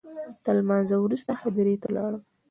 تر لمانځه وروسته هدیرې ته ولاړم.